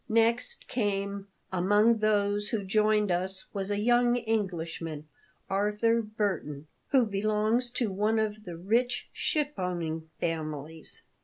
Next came "Among those who joined us was a young Englishman, Arthur Burton, who belongs to one of the rich shipowning families."